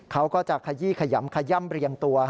เขาก็จะขยี้ขยำขย่ำเรียงตัว